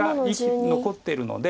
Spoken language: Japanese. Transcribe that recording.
残ってるので。